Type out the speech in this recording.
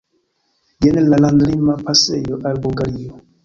Jen la landlima pasejo al Bulgario.